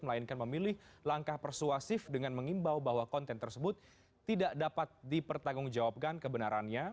melainkan memilih langkah persuasif dengan mengimbau bahwa konten tersebut tidak dapat dipertanggungjawabkan kebenarannya